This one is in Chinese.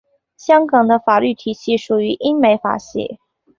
香港的法律体系属于英美法系。